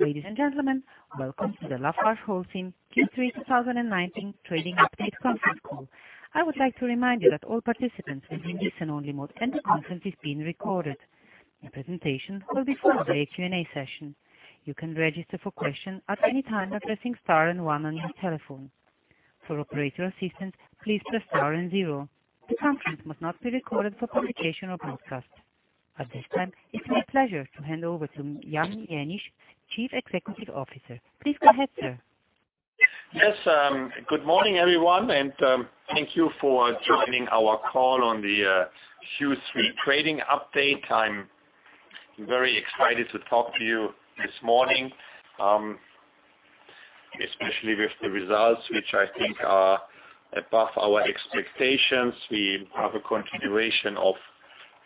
Ladies and gentlemen, welcome to the LafargeHolcim Q3 2019 Trading Update conference call. I would like to remind you that all participants will be in listen-only mode and the conference is being recorded. The presentation will be followed by a Q&A session. You can register for question at any time by pressing star and one on your telephone. For operator assistance, please press star and zero. The conference must not be recorded for publication or broadcast. At this time, it's my pleasure to hand over to Jan Jenisch, Chief Executive Officer. Please go ahead, sir. Yes. Good morning, everyone, and thank you for joining our call on the Q3 trading update. I'm very excited to talk to you this morning, especially with the results, which I think are above our expectations. We have a continuation of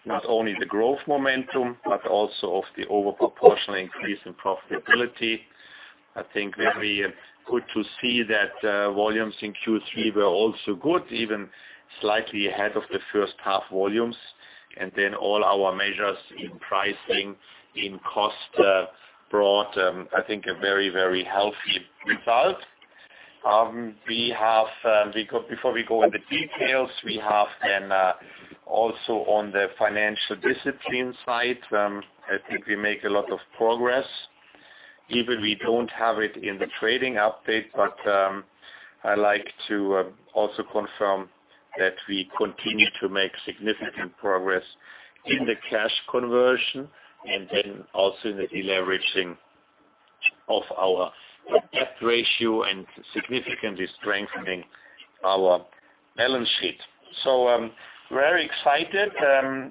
not only the growth momentum, but also of the over-proportional increase in profitability. I think very good to see that volumes in Q3 were also good, even slightly ahead of the first half volumes. All our measures in pricing, in cost brought, I think, a very healthy result. Before we go in the details, we have then also on the financial discipline side, I think we make a lot of progress. We don't have it in the trading update, I like to also confirm that we continue to make significant progress in the cash conversion and also in the deleveraging of our debt ratio and significantly strengthening our balance sheet. I'm very excited.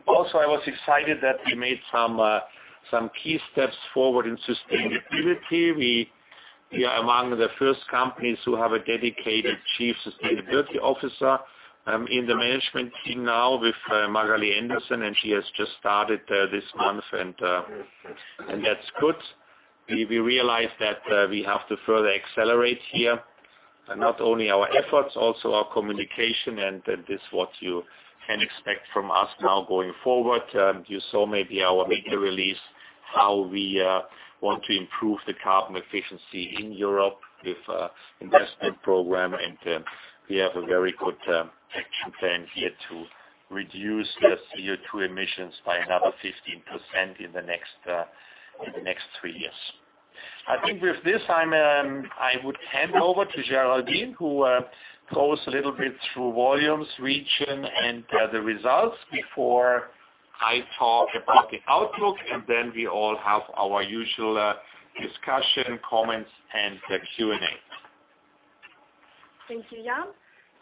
Also, I was excited that we made some key steps forward in sustainability. We are among the first companies who have a dedicated Chief Sustainability Officer in the management team now with Magali Anderson, she has just started this month, that's good. We realize that we have to further accelerate here, not only our efforts, also our communication, that is what you can expect from us now going forward. You saw maybe our media release, how we want to improve the carbon efficiency in Europe with investment program, and we have a very good action plan here to reduce the CO2 emissions by another 15% in the next three years. I think with this, I would hand over to Géraldine, who goes a little bit through volumes, region, and the results before I talk about the outlook, and then we all have our usual discussion, comments, and the Q&A. Thank you, Jan.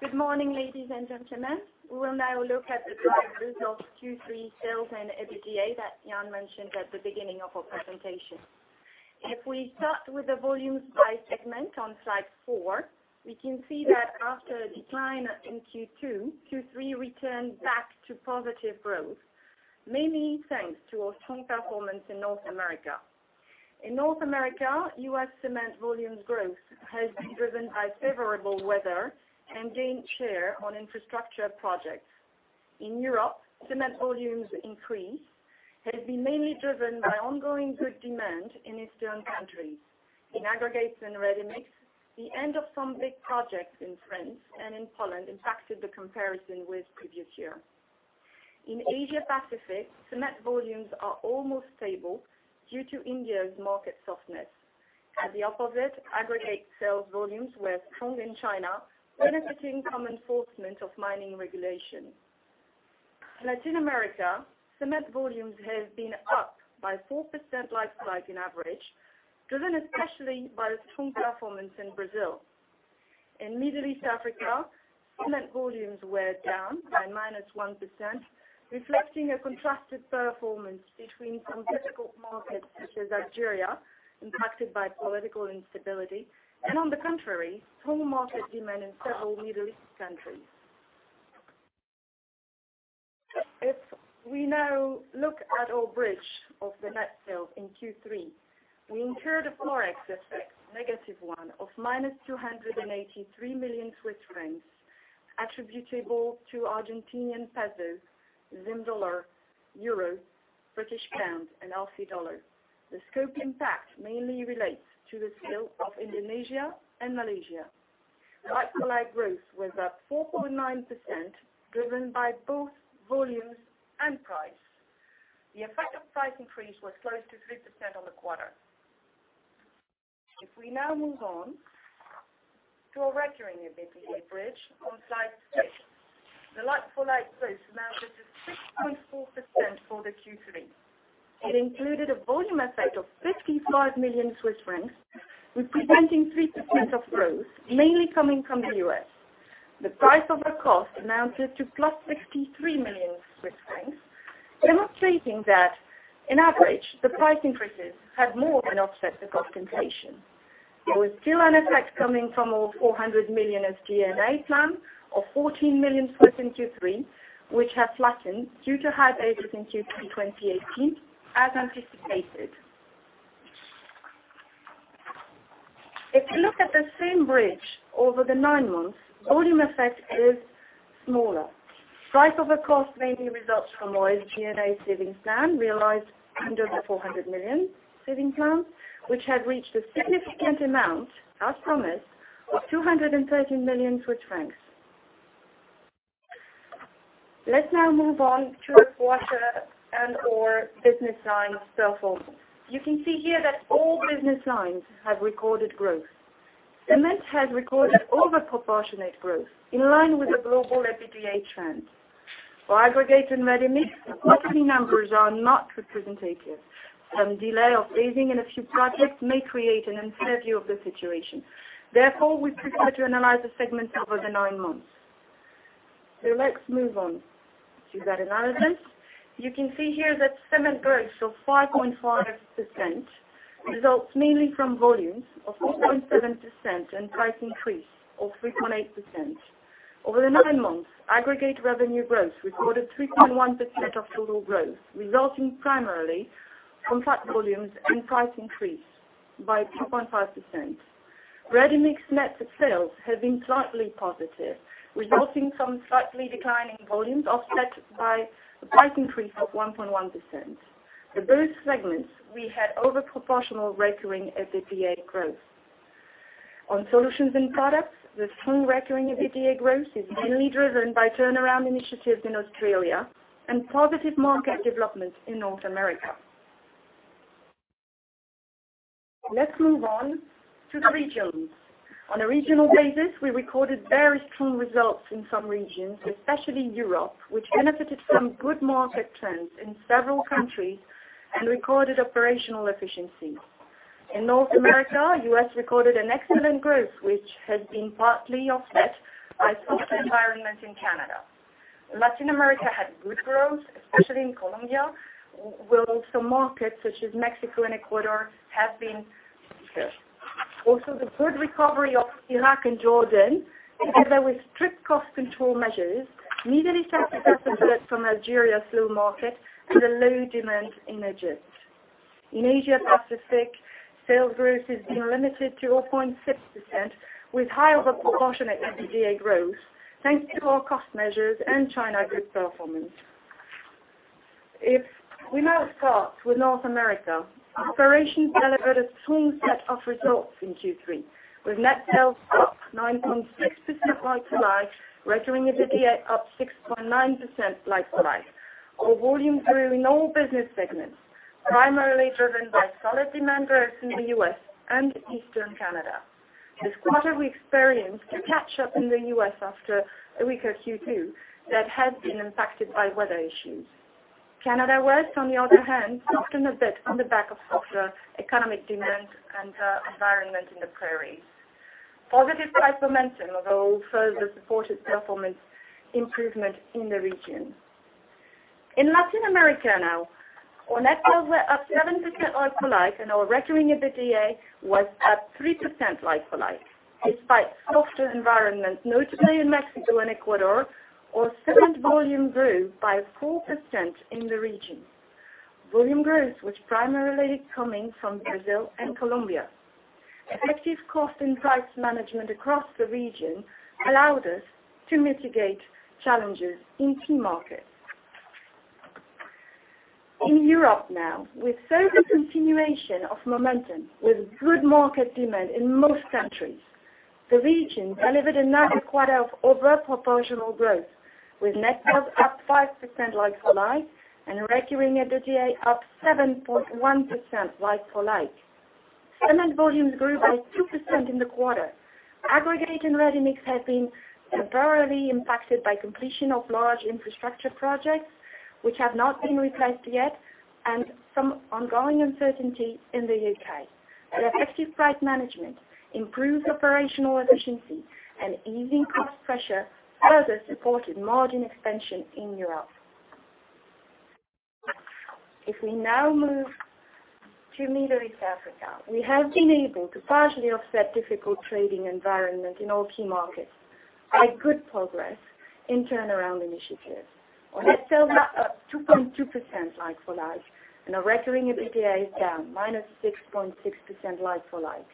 Good morning, ladies and gentlemen. We will now look at the drivers of Q3 sales and EBITDA that Jan mentioned at the beginning of our presentation. If we start with the volumes by segment on slide four, we can see that after a decline in Q2, Q3 returned back to positive growth, mainly thanks to our strong performance in North America. In North America, U.S. cement volumes growth has been driven by favorable weather and gained share on infrastructure projects. In Europe, cement volumes increase has been mainly driven by ongoing good demand in Eastern countries. In aggregates and ready-mix, the end of some big projects in France and in Poland impacted the comparison with previous year. In Asia Pacific, cement volumes are almost stable due to India's market softness. At the opposite, aggregate sales volumes were strong in China, benefiting from enforcement of mining regulation. Latin America, cement volumes have been up by 4% like-for-like in average, driven especially by the strong performance in Brazil. In Middle East Africa, cement volumes were down by -1%, reflecting a contrasted performance between some difficult markets, such as Algeria, impacted by political instability, and on the contrary, strong market demand in several Middle East countries. If we now look at our bridge of the net sales in Q3, we incur the ForEx effect negative one of -283 million Swiss francs attributable to ARS, Zim dollar, EUR, GBP, and AUD. The scope impact mainly relates to the sale of Indonesia and Malaysia. Like-for-like growth was up 4.9%, driven by both volumes and price. The effect of price increase was close to 3% on the quarter. If we now move on to our recurring EBITDA bridge on slide six, the like-for-like growth amounted to 6.4% for the Q3. It included a volume effect of 55 million Swiss francs, representing 3% of growth, mainly coming from the U.S. The price over cost amounted to +63 million Swiss francs, demonstrating that on average, the price increases have more than offset the cost inflation. There was still an effect coming from our 400 million of SG&A plan of 14 million in Q3, which has flattened due to high base in Q3 2018, as anticipated. If you look at the same bridge over the nine months, volume effect is smaller. Price over cost mainly results from SG&A savings plan realized under the 400 million savings plans, which had reached a significant amount, as promised, of 213 million Swiss francs. Let's now move on to our quarter and/or business line performance. You can see here that all business lines have recorded growth. Cement has recorded over-proportional growth in line with the global EBITDA trend. For aggregate and ready-mix, quarterly numbers are not representative. Some delay of raising in a few projects may create an unfair view of the situation. Therefore, we prefer to analyze the segment over the nine months. Let's move on to that analysis. You can see here that cement growth of 5.5% results mainly from volumes of 4.7% and price increase of 3.8%. Over the nine months, aggregate revenue growth recorded 3.1% of total growth, resulting primarily from flat volumes and price increase by 2.5%. Ready-mix net sales have been slightly positive, resulting from slightly declining volumes offset by a price increase of 1.1%. For both segments, we had over proportional recurring EBITDA growth. On solutions and products, the strong recurring EBITDA growth is mainly driven by turnaround initiatives in Australia and positive market development in North America. Let's move on to the regions. On a regional basis, we recorded very strong results in some regions, especially Europe, which benefited from good market trends in several countries and recorded operational efficiencies. In North America, U.S. recorded an excellent growth, which had been partly offset by softer environment in Canada. Latin America had good growth, especially in Colombia, where also markets such as Mexico and Ecuador have been good. The good recovery of Iraq and Jordan, together with strict cost control measures, Middle East Africa suffered from Algeria's slow market and the low demand in Egypt. In Asia Pacific, sales growth has been limited to 0.6% with higher proportion at EBITDA growth, thanks to our cost measures and China good performance. If we now start with North America, operations delivered a strong set of results in Q3, with net sales up 9.6% like-for-like, recurring EBITDA up 6.9% like-for-like. Our volume grew in all business segments, primarily driven by solid demand growth in the U.S. and Eastern Canada. This quarter, we experienced a catch-up in the U.S. after a weaker Q2 that had been impacted by weather issues. Canada West, on the other hand, softened a bit on the back of softer economic demand and environment in the prairies. Positive price momentum, although further supported performance improvement in the region. In Latin America now, our net sales were up 7% like-for-like, and our recurring EBITDA was up 3% like-for-like. Despite softer environments, notably in Mexico and Ecuador, our cement volume grew by 4% in the region. Volume growth was primarily coming from Brazil and Colombia. Effective cost and price management across the region allowed us to mitigate challenges in key markets. In Europe now, with further continuation of momentum with good market demand in most countries, the region delivered another quarter of over proportional growth, with net sales up 5% like-for-like, and recurring EBITDA up 7.1% like-for-like. Cement volumes grew by 2% in the quarter. Aggregate and ready-mix have been temporarily impacted by completion of large infrastructure projects, which have not been replaced yet, and some ongoing uncertainty in the U.K. The effective price management improved operational efficiency and easing cost pressure further supported margin expansion in Europe. If we now move to Middle East Africa, we have been able to partially offset difficult trading environment in all key markets by good progress in turnaround initiatives. Our net sales are up 2.2% like-for-like, and our recurring EBITDA is down -6.6% like-for-like.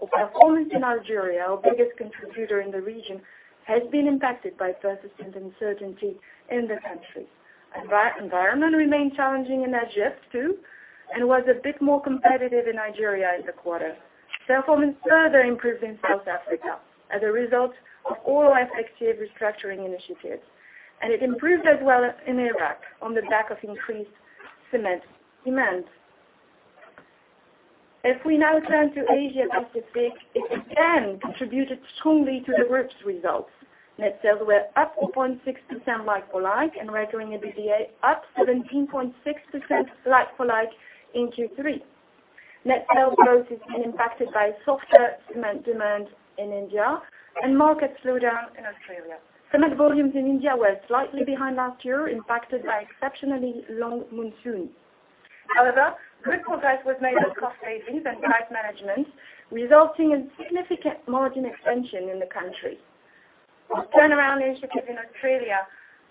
Our performance in Algeria, our biggest contributor in the region, has been impacted by persistent uncertainty in the country. Environment remained challenging in Egypt too and was a bit more competitive in Nigeria in the quarter. Performance further improved in South Africa as a result of all our effective restructuring initiatives, and it improved as well in Iraq on the back of increased cement demand. If we now turn to Asia Pacific, it again contributed strongly to the group's results. Net sales were up 0.6% like-for-like and recurring EBITDA up 17.6% like-for-like in Q3. Net sales growth has been impacted by softer cement demand in India and market slowdown in Australia. Cement volumes in India were slightly behind last year, impacted by exceptionally long monsoon. However, good progress was made in cost savings and price management, resulting in significant margin expansion in the country. Our turnaround initiative in Australia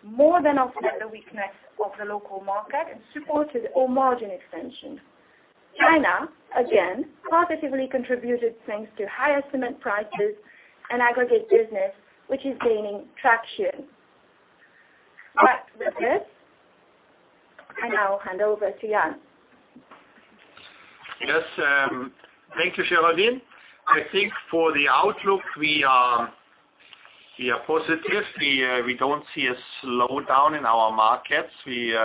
more than offset the weakness of the local market and supported our margin expansion. China, again, positively contributed thanks to higher cement prices and aggregate business, which is gaining traction. With this, I now hand over to Jan. Yes. Thank you, Géraldine. I think for the outlook, we are positive. We don't see a slowdown in our markets. We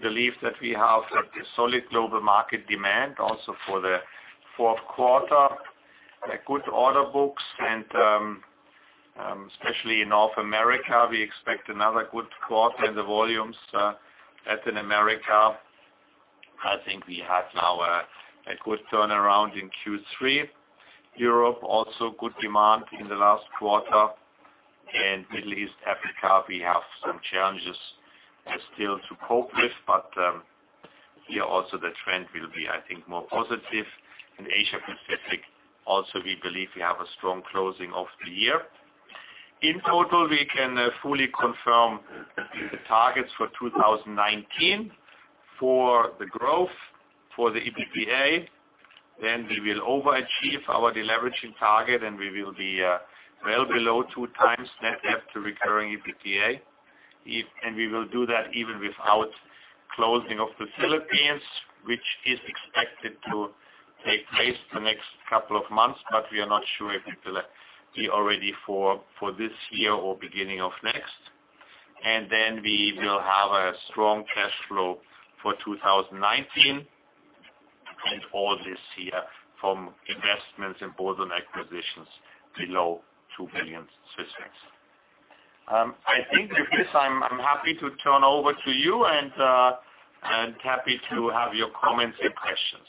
believe that we have a solid global market demand also for the fourth quarter, good order books, and especially in North America, we expect another good quarter in the volumes. Latin America, I think we have now a good turnaround in Q3. Europe, also good demand in the last quarter. Middle East, Africa, we have some challenges still to cope with, but here also the trend will be, I think, more positive. In Asia Pacific also, we believe we have a strong closing of the year. In total, we can fully confirm the targets for 2019 for the growth for the EBITDA, and we will overachieve our deleveraging target, and we will be well below two times net debt to recurring EBITDA. We will do that even without closing of the Philippines, which is expected to take place the next couple of months, but we are not sure if it will be ready for this year or beginning of next. Then we will have a strong cash flow for 2019, and all this year from investments in both on acquisitions below 2 billion Swiss francs. I think with this, I am happy to turn over to you and happy to have your comments and questions.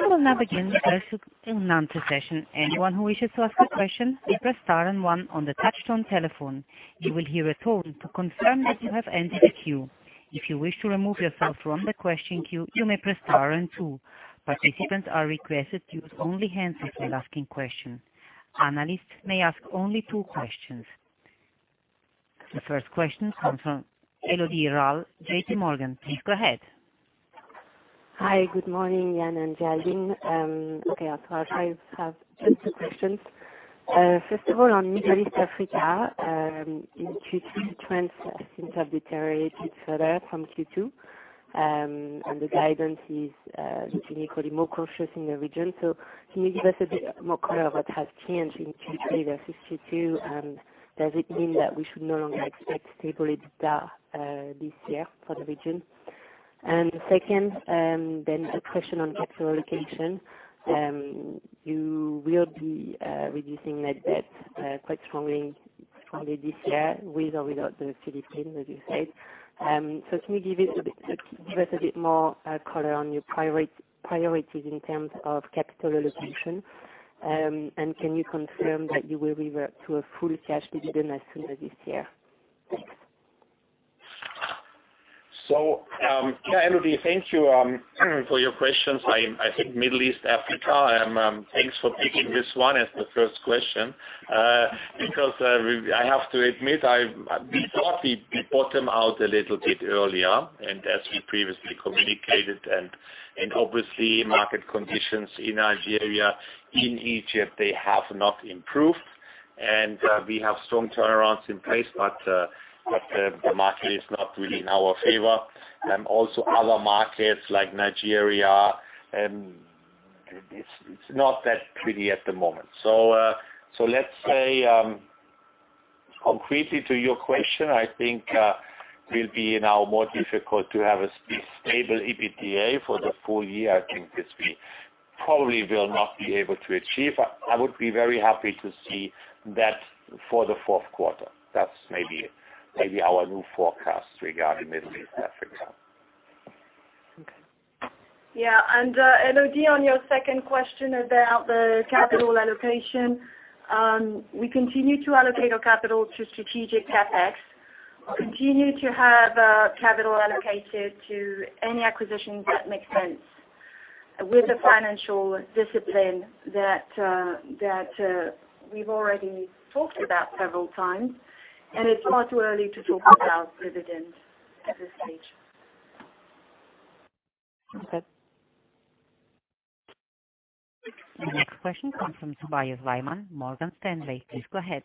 We will now begin the question and answer session. Anyone who wishes to ask a question should press star and one on the touch-tone telephone. You will hear a tone to confirm that you have entered a queue. If you wish to remove yourself from the question queue, you may press star and two. Participants are requested to use only hands up while asking questions. Analysts may ask only two questions. The first question comes from Elodie Rall, J.P. Morgan. Please go ahead. Hi. Good morning, Jan and Géraldine. Okay, I have two questions. First of all, on Middle East, Africa, in Q3 trends seems to have deteriorated further from Q2, and the guidance is uniquely more cautious in the region. Can you give us a bit more color what has changed in Q3 versus Q2, and does it mean that we should no longer expect stable EBITDA this year for the region? Second, a question on capital allocation. You will be reducing net debt quite strongly this year with or without the Philippines, as you said. Can you give us a bit more color on your priorities in terms of capital allocation, and can you confirm that you will revert to a full cash dividend as soon as this year? Thanks. Elodie, thank you for your questions. I think Middle East, Africa, thanks for picking this one as the first question, because I have to admit, we thought we bottom out a little bit earlier and as we previously communicated, and obviously market conditions in Nigeria, in Egypt, they have not improved. We have strong turnarounds in place, but the market is not really in our favor. Also other markets like Nigeria, it's not that pretty at the moment. Let's say, concretely to your question, I think will be now more difficult to have a stable EBITDA for the full year. I think this we probably will not be able to achieve. I would be very happy to see that for the fourth quarter. That's maybe our new forecast regarding Middle East, Africa. Okay. Yeah, Elodie, on your second question about the capital allocation, we continue to allocate our capital to strategic CapEx. We continue to have capital allocated to any acquisitions that make sense with the financial discipline that we've already talked about several times. It's far too early to talk about dividends at this stage. Okay. The next question comes from Tobias Woerner, Morgan Stanley. Please go ahead.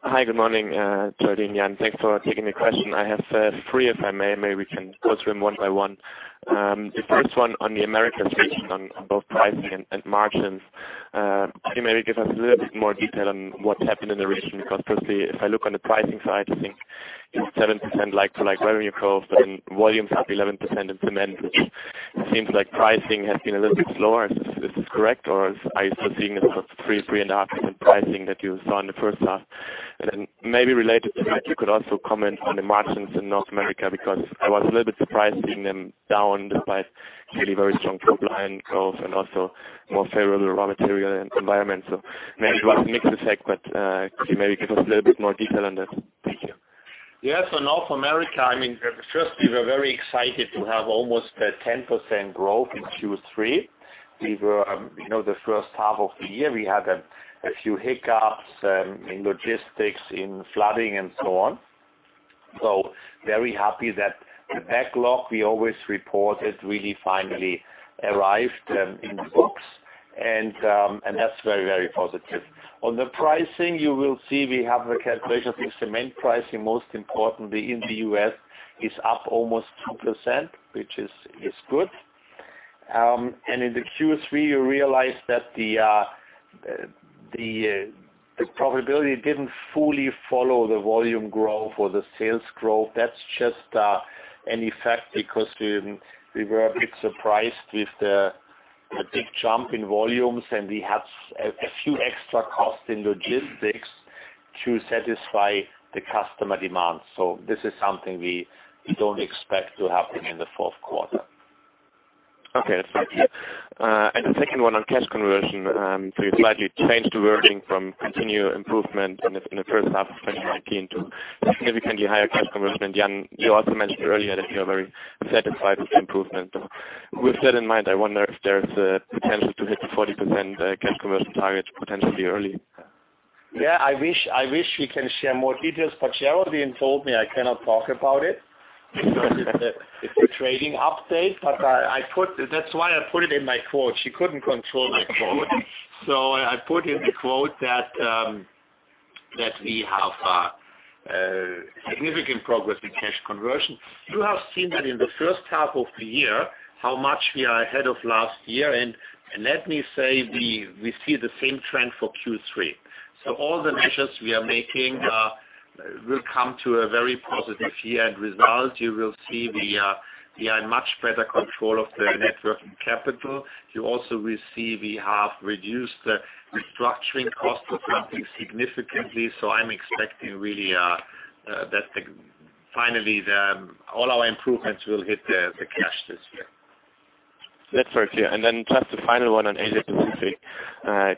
Hi. Good morning, Géraldine, Jan. Thanks for taking the question. I have three, if I may. Maybe we can go through them one by one. The first one on the Americas region on both pricing and margins. Can you maybe give us a little bit more detail on what's happened in the region? Because firstly, if I look on the pricing side, I think it's 7% like-for-like revenue growth and volumes up 11% in cement, which seems like pricing has been a little bit slower. Is this correct, or are you still seeing the sort of three, 3.5% pricing that you saw in the first half? Then maybe related to that, you could also comment on the margins in North America, because I was a little bit surprised seeing them down despite really very strong top-line growth and also more favorable raw material environment. Maybe it was a mixed effect, but can you maybe give us a little bit more detail on this? Yes. North America, first, we were very excited to have almost a 10% growth in Q3. The first half of the year, we had a few hiccups in logistics, in flooding and so on. Very happy that the backlog we always reported really finally arrived in the books, and that's very positive. On the pricing, you will see we have a calculation with cement pricing, most importantly in the U.S., is up almost 2%, which is good. In the Q3, you realize that the profitability didn't fully follow the volume growth or the sales growth. That's just an effect because we were a bit surprised with the big jump in volumes, and we had a few extra costs in logistics to satisfy the customer demands. This is something we don't expect to happen in the fourth quarter. Okay, that's very clear. The second one on cash conversion. You slightly changed the wording from continued improvement in the first half of 2019 to significantly higher cash conversion. Jan, you also mentioned earlier that you are very satisfied with the improvement. With that in mind, I wonder if there's a potential to hit the 40% cash conversion target potentially early. I wish we can share more details, but Géraldine told me I cannot talk about it because it's a trading update. That's why I put it in my quote. She couldn't control my quote. I put in the quote that we have significant progress with cash conversion. You have seen that in the first half of the year, how much we are ahead of last year, and let me say, we see the same trend for Q3. All the measures we are making will come to a very positive year-end result. You will see we are in much better control of the net working capital. You also will see we have reduced the restructuring cost something significantly. I'm expecting really that finally all our improvements will hit the cash this year. That's very clear. Then just the final one on Asia Pacific.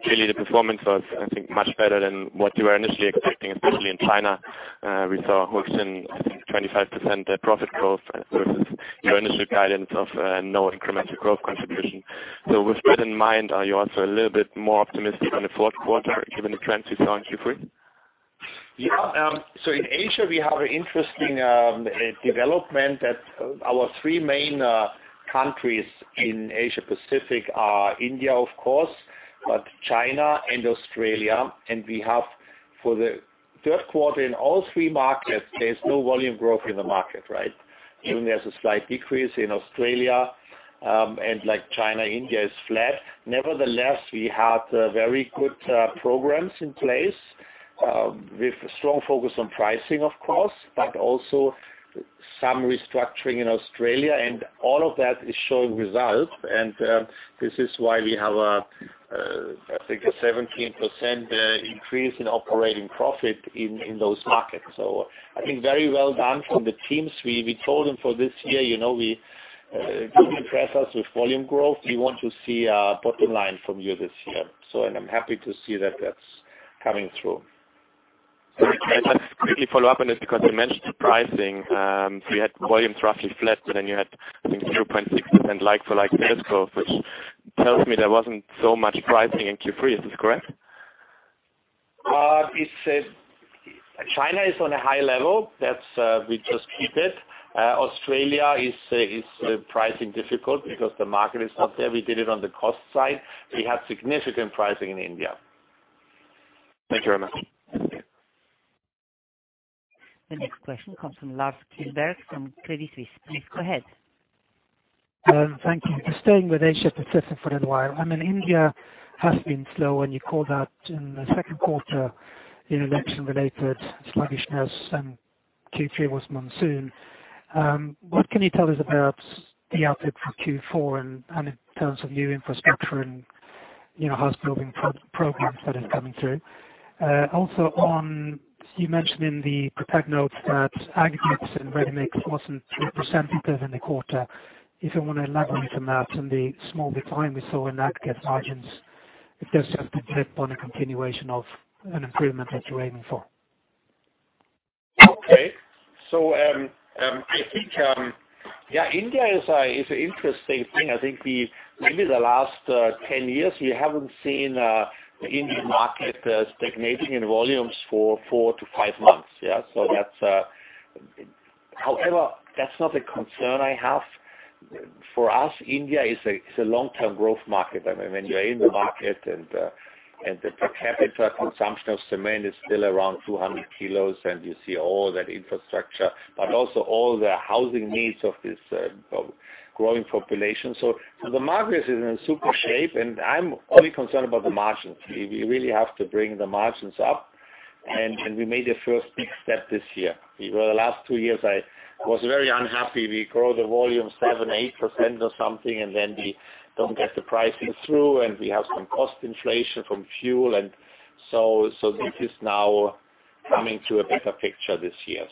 Clearly, the performance was, I think, much better than what you were initially expecting, especially in China. We saw Holcim, I think 25% profit growth versus your initial guidance of no incremental growth contribution. With that in mind, are you also a little bit more optimistic on the fourth quarter given the trends we saw in Q3? In Asia, we have an interesting development that our three main countries in Asia Pacific are India, of course, but China and Australia. We have for the third quarter in all three markets, there's no volume growth in the market, right? Even there's a slight decrease in Australia, and like China, India is flat. Nevertheless, we had very good programs in place, with a strong focus on pricing, of course, but also some restructuring in Australia. All of that is showing results, and this is why we have, I think, a 17% increase in operating profit in those markets. I think very well done from the teams. We told them for this year, we don't impress us with volume growth. We want to see a bottom line from you this year. I'm happy to see that that's coming through. Can I just quickly follow up on this because you mentioned pricing. You had volumes roughly flat, and then you had, I think, 2.6% like-for-like net scope, which tells me there wasn't so much pricing in Q3. Is this correct? China is on a high level. We just keep it. Australia is pricing difficult because the market is not there. We did it on the cost side. We had significant pricing in India. Thank you very much. The next question comes from Lars Kjellberg from Credit Suisse. Please go ahead. Thank you. Just staying with Asia Pacific for a little while. India has been slow, and you called out in the second quarter, election-related sluggishness, and Q3 was monsoon. What can you tell us about the outlook for Q4 and in terms of new infrastructure and house building programs that is coming through? You mentioned in the prepared notes that aggregates and ready-mix wasn't 3% positive in the quarter. If you want to elaborate on that and the small decline we saw in aggregate margins, if that's just a blip on a continuation of an improvement that you're aiming for. Okay. I think, yeah, India is an interesting thing. I think maybe the last 10 years, we haven't seen the Indian market stagnating in volumes for four to five months. Yeah. However, that's not a concern I have. For us, India is a long-term growth market. When you're in the market and the per capita consumption of cement is still around 200 kilos, and you see all that infrastructure, but also all the housing needs of this growing population. The market is in super shape, and I'm only concerned about the margins. We really have to bring the margins up, and we made the first big step this year. For the last two years, I was very unhappy. We grow the volume 7%, 8% or something, and then we don't get the pricing through, and we have some cost inflation from fuel. This is now coming to a better picture this year.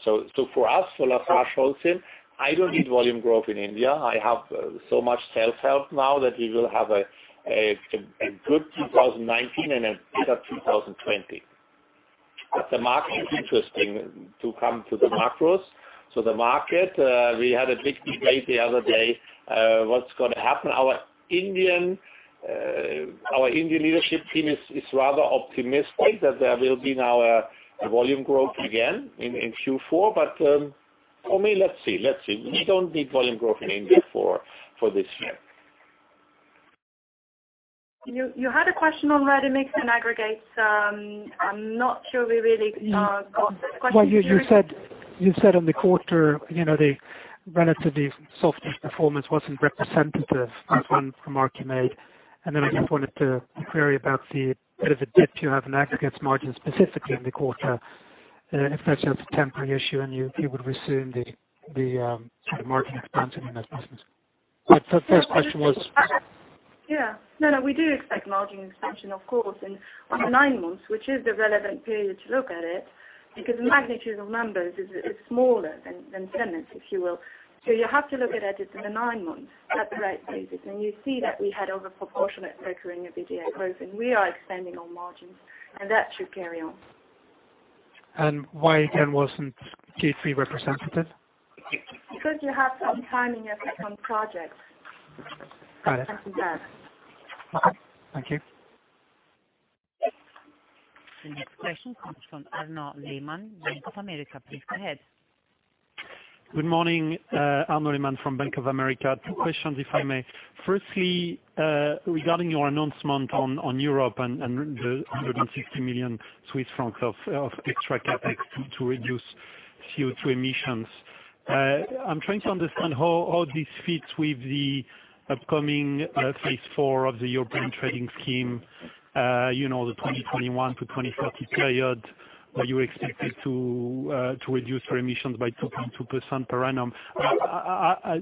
For us, for LafargeHolcim, I don't need volume growth in India. I have so much sales help now that we will have a good 2019 and a better 2020.The market is interesting to come to the macros. The market, we had a big debate the other day, what's going to happen. Our Indian leadership team is rather optimistic that there will be now a volume growth again in Q4. For me, let's see. We don't need volume growth in India for this year. You had a question on ready-mix and aggregates. I'm not sure we really got the question clearly. Well, you said on the quarter, the relatively soft performance wasn't representative, that one remark you made. I just wanted to query about the bit of a dip you have in aggregates margin specifically in the quarter, if that's just a temporary issue and you would resume the sort of margin expansion in that business. No, we do expect margin expansion, of course, and on the nine months, which is the relevant period to look at it, because the magnitude of numbers is smaller than 10 months, if you will. You have to look at it in the nine months at the right phases. You see that we had overproportionate recurring EBITDA growth, and we are expanding on margins, and that should carry on. Why again wasn't Q3 representative? You have some timing effects on projects. Got it. That's that. Okay. Thank you. The next question comes from Arnaud Lehmann, Bank of America. Please go ahead. Good morning. Arnaud Lehmann from Bank of America. Two questions, if I may. Firstly, regarding your announcement on Europe and the 160 million Swiss francs of the extra CapEx to reduce CO2 emissions. I'm trying to understand how this fits with the upcoming Phase 4 of the European trading scheme, the 2021-2030 period, where you expected to reduce your emissions by 2.2% per annum. Are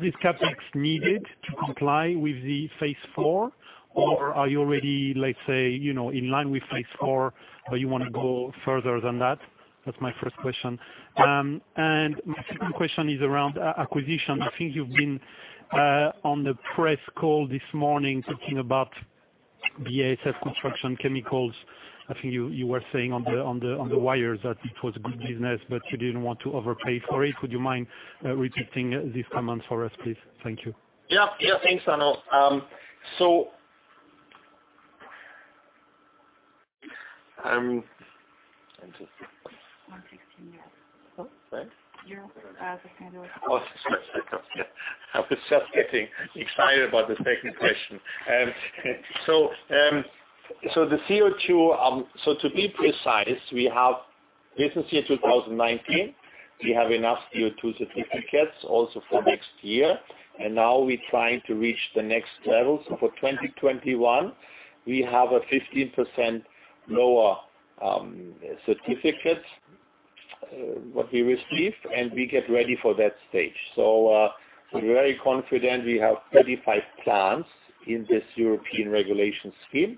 these CapEx needed to comply with the Phase 4, or are you already, let's say, in line with Phase 4, but you want to go further than that? That's my first question. My second question is around acquisition. I think you've been on the press call this morning talking about BASF Construction Chemicals. I think you were saying on the wires that it was good business, but you didn't want to overpay for it. Would you mind repeating these comments for us, please? Thank you. Thanks, Arnaud. I was just getting excited about the second question. The CO2, to be precise, we have business year 2019. We have enough CO2 certificates also for next year, and now we're trying to reach the next level. For 2021, we have a 15% lower certificate, what we received, and we get ready for that stage. We're very confident we have 35 plants in this European regulation scheme,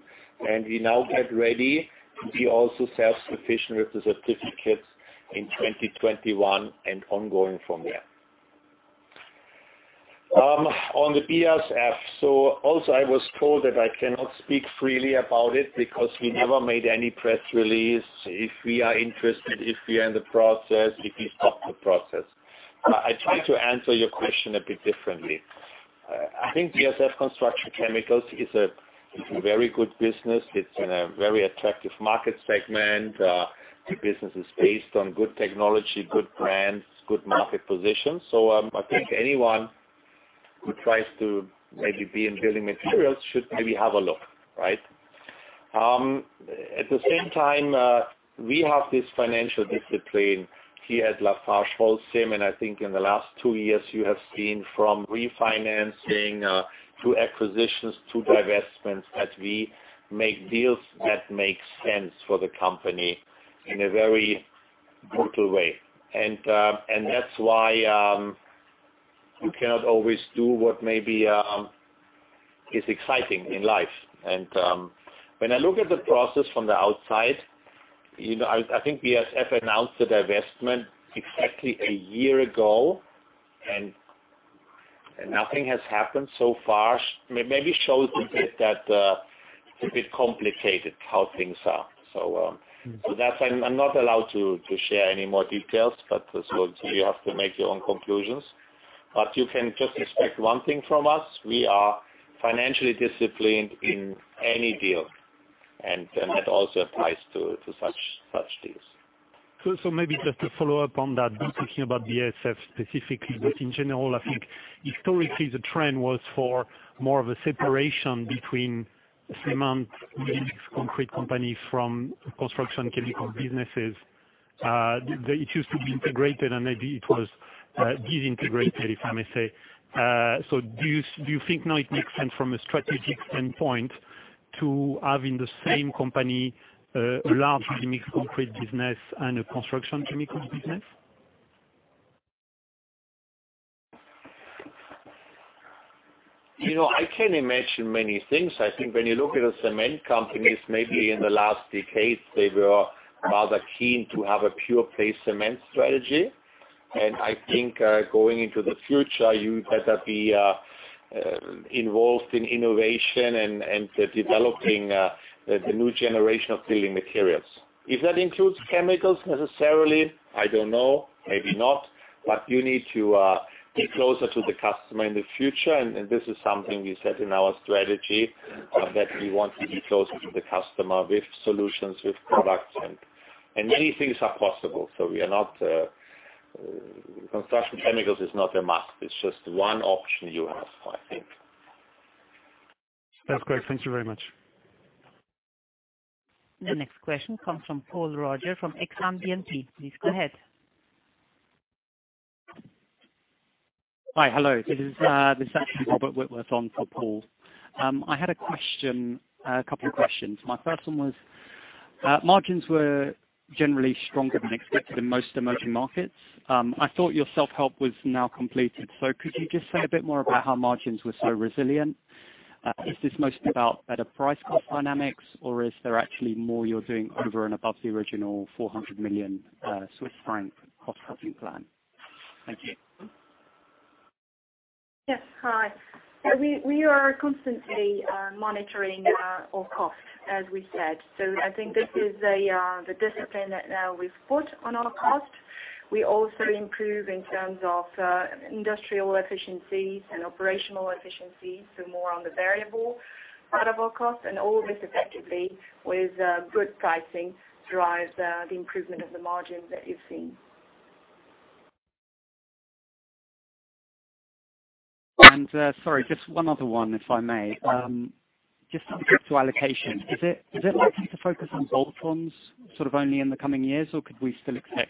and we now get ready to be also self-sufficient with the certificates in 2021 and ongoing from there. On the BASF. Also I was told that I cannot speak freely about it because we never made any press release. If we are interested, if we are in the process, if we stop the process. I try to answer your question a bit differently. I think BASF Construction Chemicals is a very good business. It's in a very attractive market segment. The business is based on good technology, good brands, good market position. I think anyone who tries to maybe be in building materials should maybe have a look, right? At the same time, we have this financial discipline here at LafargeHolcim, and I think in the last two years, you have seen from refinancing to acquisitions to divestments, that we make deals that make sense for the company in a very brutal way. That's why you cannot always do what maybe is exciting in life. When I look at the process from the outside, I think BASF announced the divestment exactly a year ago, and nothing has happened so far. Maybe shows a bit complicated how things are. That's I'm not allowed to share any more details, but you have to make your own conclusions. You can just expect one thing from us. We are financially disciplined in any deal, and that also applies to such deals. Maybe just to follow up on that, not thinking about BASF specifically, but in general, I think historically the trend was for more of a separation between cement, ready-mix concrete companies from construction chemical businesses. It used to be integrated, and maybe it was disintegrated, if I may say. Do you think now it makes sense from a strategic standpoint to have in the same company a large ready-mix concrete business and a construction chemicals business? I can imagine many things. I think when you look at the cement companies, maybe in the last decades, they were rather keen to have a pure play cement strategy. I think going into the future, you better be involved in innovation and developing the new generation of building materials. If that includes chemicals necessarily, I don't know. Maybe not. You need to get closer to the customer in the future. This is something we said in our strategy, that we want to be closer to the customer with solutions, with products, and many things are possible. Construction Chemicals is not a must. It's just one option you have, I think. That's great. Thank you very much. The next question comes from Paul Roger from Exane BNP Paribas. Please go ahead. Hi. Hello. This is actually Robert Whitworth on for Paul. I had a couple of questions. My first one was, margins were generally stronger than expected in most emerging markets. I thought your self-help was now completed. Could you just say a bit more about how margins were so resilient? Is this mostly about better price-cost dynamics, or is there actually more you're doing over and above the original 400 million Swiss franc cost-cutting plan? Thank you. Yes. Hi. We are constantly monitoring our cost, as we said. I think this is the discipline that now we've put on our cost. We also improve in terms of industrial efficiencies and operational efficiencies, so more on the variable part of our cost. All this effectively with good pricing drives the improvement of the margin that you're seeing. Sorry, just one other one, if I may. Just on the group to allocation, is it likely to focus on bolt-ons sort of only in the coming years, or could we still expect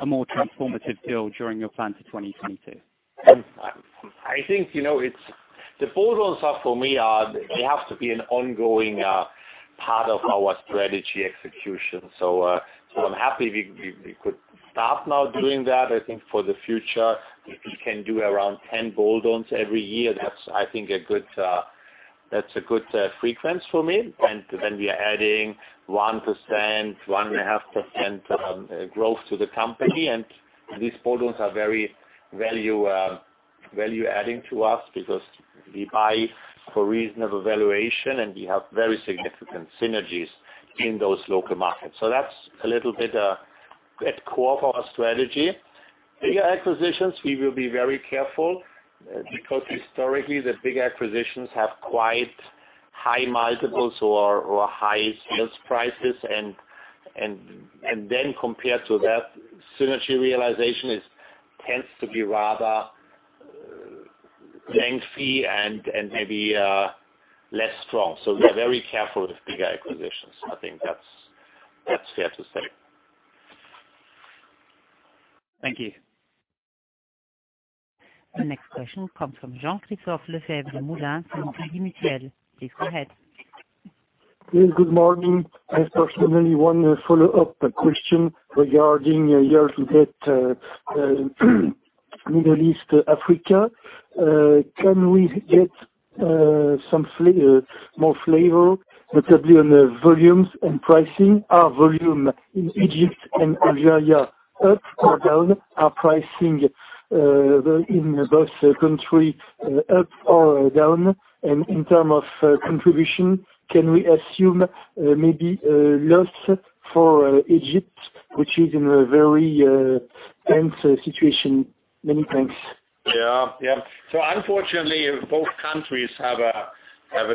a more transformative deal during your plan to 2022? I think the bolt-ons for me, they have to be an ongoing part of our strategy execution. I'm happy we could start now doing that. I think for the future, if we can do around 10 bolt-ons every year, that's I think a good frequency for me. Then we are adding 1%, 1.5% growth to the company. These bolt-ons are very value-adding to us because we buy for reasonable valuation, and we have very significant synergies in those local markets. That's a little bit at core of our strategy. Bigger acquisitions, we will be very careful because historically, the big acquisitions have quite high multiples or high sales prices. Then compared to that, synergy realization tends to be rather lengthy and maybe less strong. We are very careful with big acquisitions. I think that's fair to say. Thank you. The next question comes from Jean-Christophe Lefèvre-Moulenq from Crédit Mutuel. Please go ahead. Yes, good morning. I personally want to follow up a question regarding your debt, Middle East, Africa. Can we get some more flavor, notably on the volumes and pricing? Are volume in Egypt and Algeria up or down? Are pricing in both country up or down? In term of contribution, can we assume maybe a loss for Egypt, which is in a very tense situation? Many thanks. Yeah. Unfortunately, both countries have a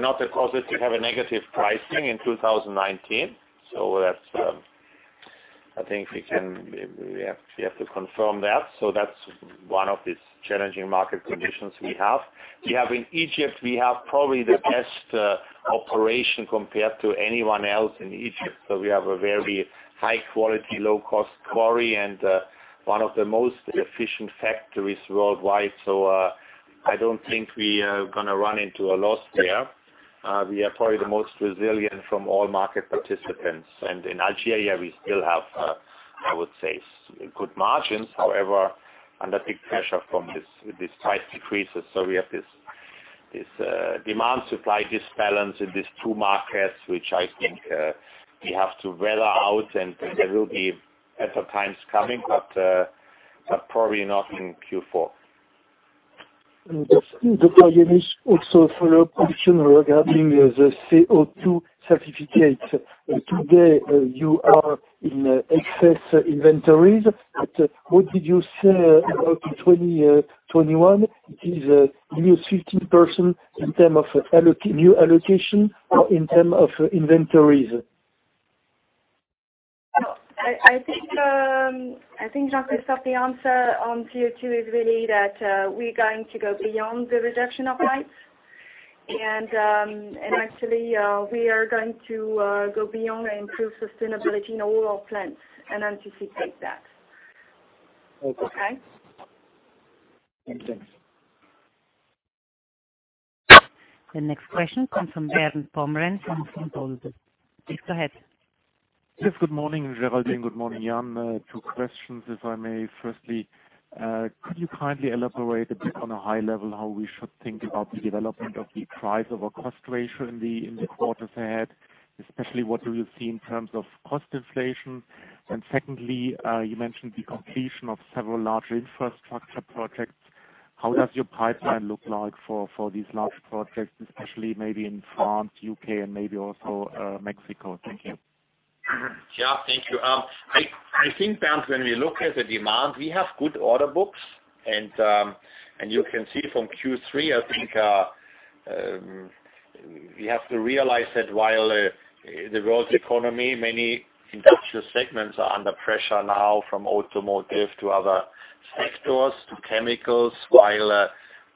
negative pricing in 2019. I think we have to confirm that. That's one of these challenging market conditions we have. In Egypt, we have probably the best operation compared to anyone else in Egypt. We have a very high quality, low cost quarry and one of the most efficient factories worldwide. I don't think we are going to run into a loss there. We are probably the most resilient from all market participants. In Algeria, we still have, I would say, good margins, however, under big pressure from these price decreases. We have this demand supply disbalance in these two markets, which I think we have to weather out, and there will be better times coming, but probably not in Q4. Jean-Christophe, also follow-up question regarding the CO2 certificate. Today, you are in excess inventories, but what did you say about the 2021? Is it minus 15% in terms of new allocation or in terms of inventories? I think, Jean-Christophe, the answer on CO2 is really that we're going to go beyond the reduction of lights. Actually, we are going to go beyond and improve sustainability in all our plants and anticipate that. Okay. Okay? Many thanks. The next question comes from Bernd Pomrehn from Deutsche Bank. Please go ahead. Yes. Good morning, Géraldine. Good morning, Jan. Two questions, if I may. Firstly, could you kindly elaborate a bit on a high level how we should think about the development of the price over cost ratio in the quarters ahead, especially what do you see in terms of cost inflation? Secondly, you mentioned the completion of several large infrastructure projects. How does your pipeline look like for these large projects, especially maybe in France, U.K., and maybe also Mexico? Thank you. Thank you. I think, Bernd, when we look at the demand, we have good order books, and you can see from Q3, I think we have to realize that while the world's economy, many industrial segments are under pressure now from automotive to other sectors, to chemicals, while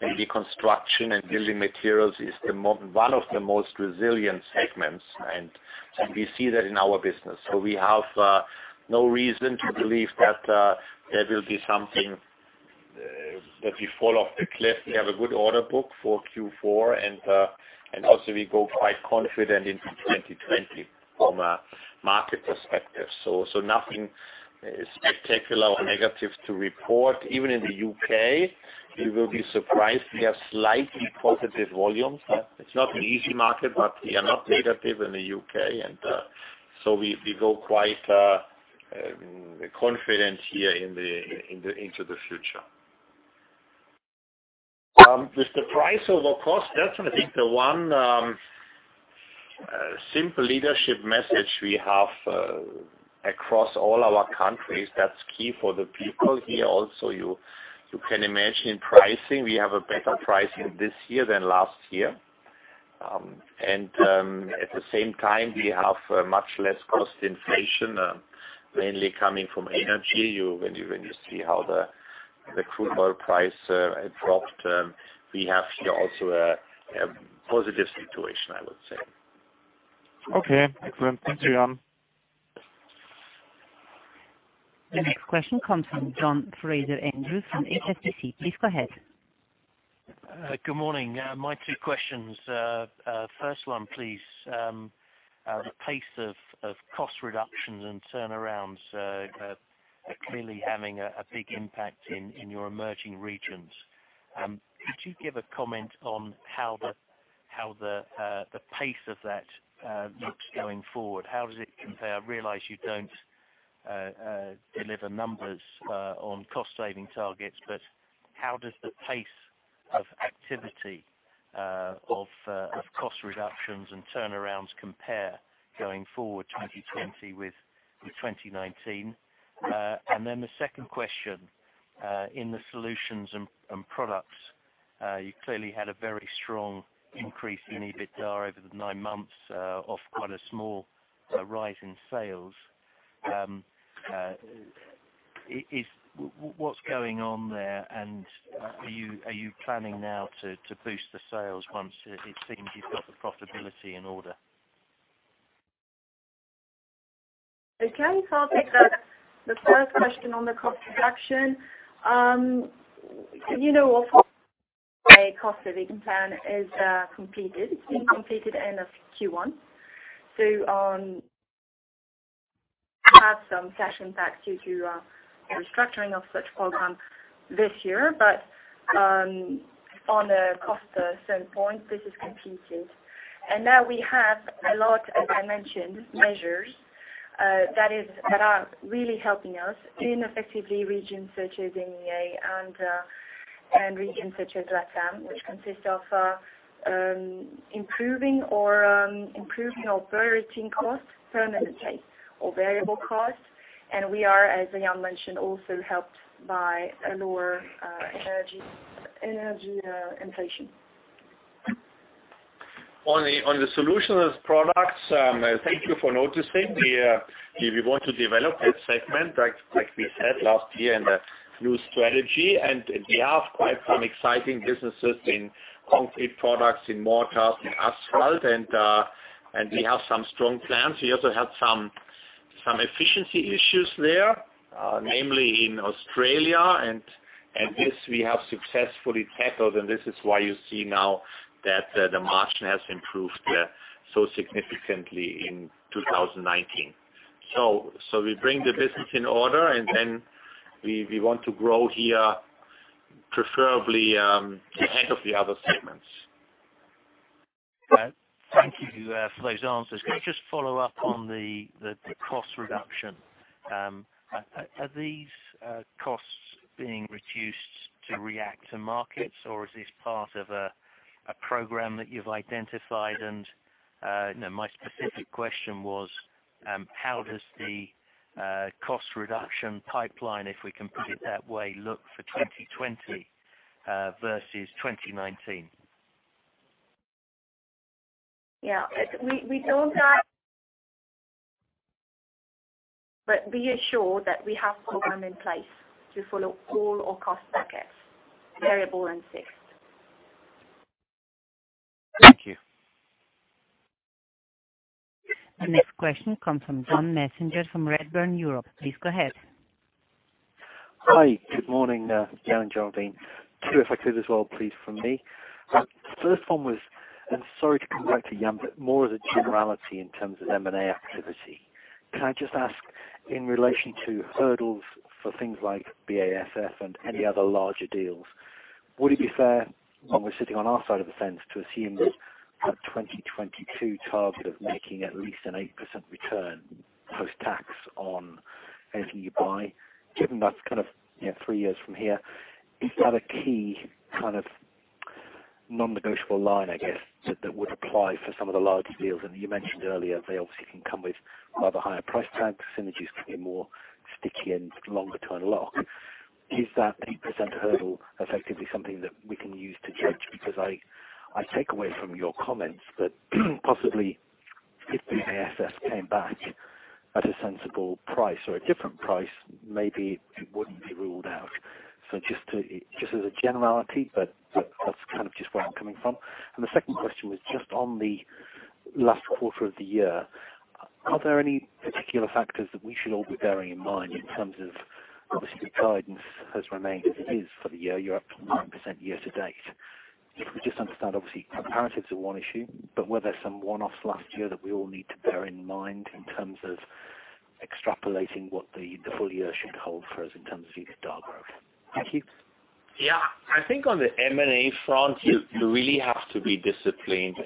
maybe construction and building materials is one of the most resilient segments, and we see that in our business. We have no reason to believe that there will be something that we fall off the cliff. We have a good order book for Q4, and also we go quite confident into 2020 from a market perspective. Nothing spectacular or negative to report. Even in the U.K., you will be surprised, we have slightly positive volumes. It is not an easy market, but we are not negative in the U.K. We go quite confident here into the future. With the price over cost, that's I think the one simple leadership message we have across all our countries, that's key for the people here also. You can imagine pricing. We have a better pricing this year than last year. At the same time, we have much less cost inflation, mainly coming from energy. When you see how the crude oil price had dropped, we have here also a positive situation, I would say. Okay. Excellent. Thank you, Jan. The next question comes from John Fraser-Andrews from HSBC. Please go ahead. Good morning. My two questions. First one, please. The pace of cost reductions and turnarounds are clearly having a big impact in your emerging regions. Could you give a comment on how the pace of that looks going forward? How does it compare? I realize you don't deliver numbers on cost-saving targets, but how does the pace of activity of cost reductions and turnarounds compare going forward 2020 with 2019? The second question, in the solutions and products, you clearly had a very strong increase in EBITDA over the nine months of quite a small rise in sales. What's going on there, and are you planning now to boost the sales once it seems you've got the profitability in order? I can start with the first question on the cost reduction. You know our cost-saving plan is completed. It's been completed end of Q1. We have some cash impacts due to a restructuring of such program this year. On a cost standpoint, this is completed. Now we have a lot, as I mentioned, measures that are really helping us in effectively regions such as MEA and regions such as LatAm, which consist of improving operating costs permanently, or variable costs. We are, as Jan mentioned, also helped by a lower energy inflation. On the solutions products, thank you for noticing. We want to develop that segment, like we said last year in the new strategy, and we have quite some exciting businesses in concrete products, in mortars, in asphalt, and we have some strong plans. We also have some efficiency issues there, namely in Australia, and this we have successfully tackled, and this is why you see now that the margin has improved there so significantly in 2019. We bring the business in order, and then we want to grow here preferably ahead of the other segments. Thank you for those answers. Can I just follow up on the cost reduction? Are these costs being reduced to react to markets, or is this part of a program that you've identified? My specific question was, how does the cost reduction pipeline, if we can put it that way, look for 2020 versus 2019? Yeah. We don't guide. Be assured that we have program in place to follow all our cost buckets, variable and fixed. Thank you. The next question comes from John Messenger from Redburn Europe. Please go ahead. Hi. Good morning, Jan, Géraldine. Two if I could as well, please, from me. The first one was, and sorry to come back to Jan, but more as a generality in terms of M&A activity. Can I just ask in relation to hurdles for things like BASF and any other larger deals, would it be fair when we're sitting on our side of the fence to assume that that 2022 target of making at least an 8% return post-tax on everything you buy, given that's three years from here, is that a key non-negotiable line, I guess, that would apply for some of the larger deals? You mentioned earlier, they obviously can come with rather higher price tags, synergies can be more sticky and longer to unlock. Is that 8% hurdle effectively something that we can use to judge? I take away from your comments that possibly if BASF came back at a sensible price or a different price, maybe it wouldn't be ruled out. Just as a generality, but that's just where I'm coming from. The second question was just on the last quarter of the year, are there any particular factors that we should all be bearing in mind in terms of, obviously, the guidance has remained as it is for the year. You're up 9% year to date. If we just understand, obviously, comparatives are one issue, but were there some one-offs last year that we all need to bear in mind in terms of extrapolating what the full year should hold for us in terms of EBITDA growth? Thank you. Yeah. I think on the M&A front, you really have to be disciplined.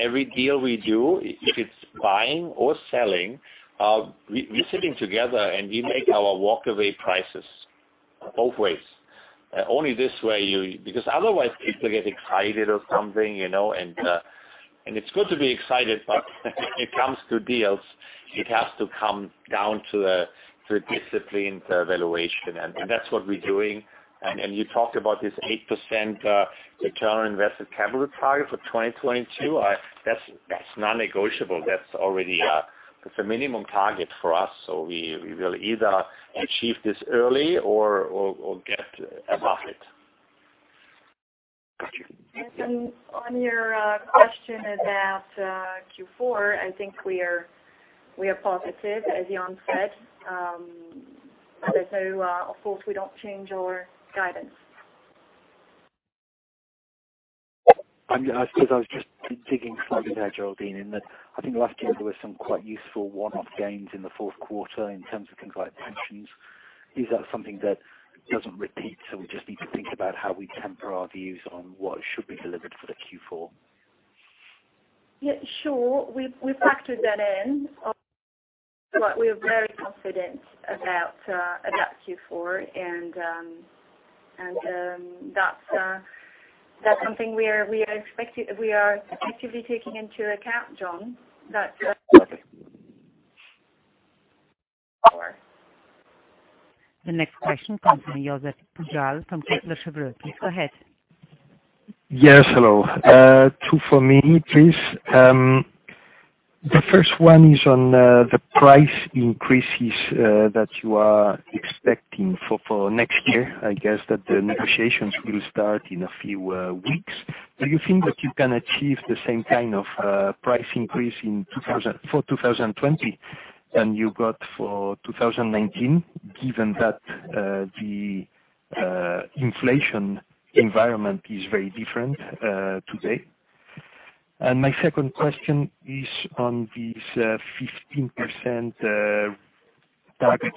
Every deal we do, if it's buying or selling, we're sitting together, and we make our walk-away prices both ways. Only this way, because otherwise people get excited or something. It's good to be excited, but when it comes to deals, it has to come down to a disciplined valuation. That's what we're doing. You talked about this 8% return on invested capital target for 2022. That's non-negotiable. That's a minimum target for us. We will either achieve this early or get above it. Thank you. On your question about Q4, I think we are positive, as Jan said. Of course, we don't change our guidance. I suppose I was just digging slightly there, Géraldine, in that I think last year there were some quite useful one-off gains in the fourth quarter in terms of things like pensions. Is that something that doesn't repeat, so we just need to think about how we temper our views on what should be delivered for the Q4? Yeah, sure. We've factored that in. We are very confident about Q4, and that's something we are effectively taking into account, John. The next question comes from Josep Pujal from Kepler Cheuvreux. Please go ahead. Yes, hello. Two for me, please. The first one is on the price increases that you are expecting for next year. I guess that the negotiations will start in a few weeks. Do you think that you can achieve the same kind of price increase for 2020 than you got for 2019, given that the inflation environment is very different today? My second question is on this 15% target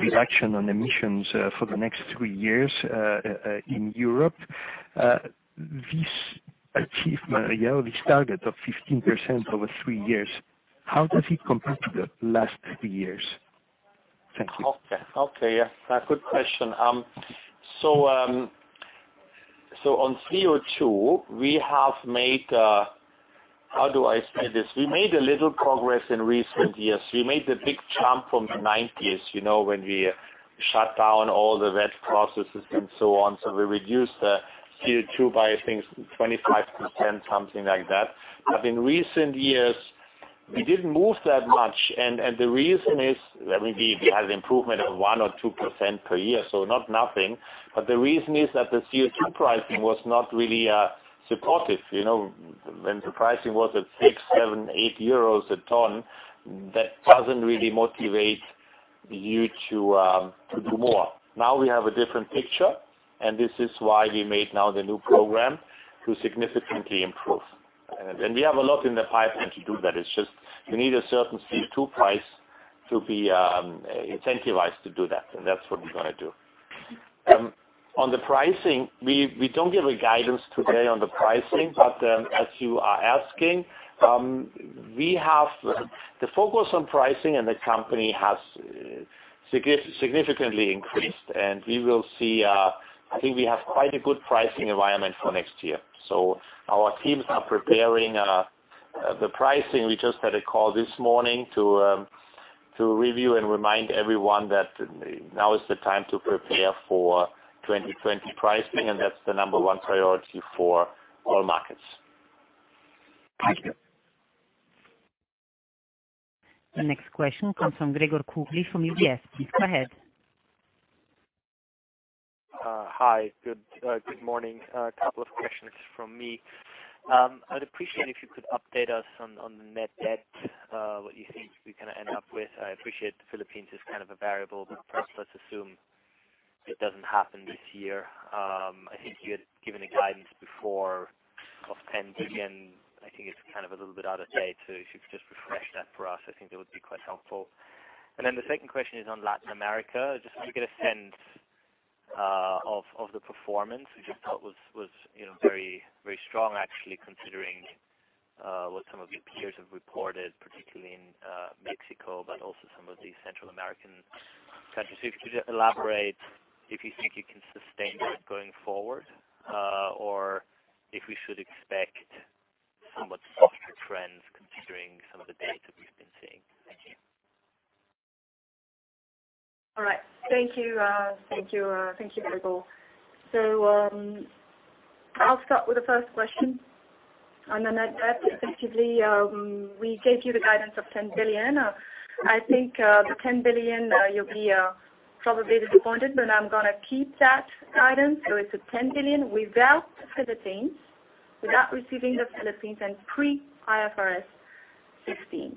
reduction on emissions for the next three years in Europe. This achievement yearly target of 15% over three years, how does it compare to the last three years? Thank you. Okay. Yeah. Good question. On CO2, we made a little progress in recent years. We made a big jump from the 1990s, when we shut down all the wet processes and so on. We reduced the CO2 by, I think, 25%, something like that. In recent years, we didn't move that much, and the reason is, well, maybe we had an improvement of 1% or 2% per year, so not nothing. The reason is that the CO2 pricing was not really supportive. When the pricing was at 6, 7, 8 euros a ton, that doesn't really motivate you to do more. Now we have a different picture, and this is why we made now the new program to significantly improve. We have a lot in the pipeline to do that. It's just we need a certain CO2 price to be incentivized to do that, and that's what we're going to do. On the pricing, we don't give a guidance today on the pricing, but as you are asking, the focus on pricing in the company has significantly increased, and we will see. I think we have quite a good pricing environment for next year. Our teams are preparing the pricing. We just had a call this morning to review and remind everyone that now is the time to prepare for 2020 pricing, and that's the number 1 priority for all markets. Thank you. The next question comes from Gregor Kuglitsch from UBS. Please go ahead. Hi. Good morning. A couple of questions from me. I would appreciate if you could update us on the net debt, what you think we kind of end up with. I appreciate the Philippines is kind of a variable. Perhaps let's assume it doesn't happen this year. I think you had given a guidance before of 10 billion. I think it's a little bit out of date. If you could just refresh that for us, I think that would be quite helpful. The second question is on Latin America, just so we get a sense of the performance. We just thought it was very strong actually, considering what some of your peers have reported, particularly in Mexico, but also some of the Central American countries. Could you elaborate if you think you can sustain that going forward, or if we should expect somewhat softer trends considering some of the data we've been seeing? Thank you. All right. Thank you. Thank you, Gregor. I'll start with the first question, and then at that, effectively, we gave you the guidance of 10 billion. I think the 10 billion, you'll be probably disappointed, but I'm going to keep that guidance. It's a 10 billion without the Philippines, without receiving the Philippines and pre-IFRS 16